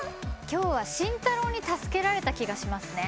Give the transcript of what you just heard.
今日は紳太郎に助けられた気がしますね。